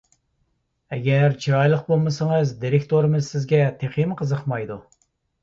ئەگەر چىرايلىق بولمىسىڭىز دىرېكتورىمىز سىزگە تېخىمۇ قىزىقمايدۇ.